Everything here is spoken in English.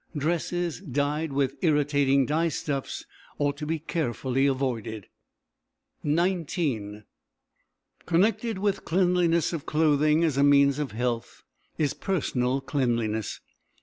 Dresses dyed with irritating dyestuffs ought to be carefully avoided. XIX Connected with cleanliness of clothing, as a means of health, is personal cleanliness.